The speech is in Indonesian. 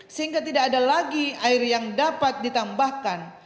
sehingga tidak ada lagi air yang dapat ditambahkan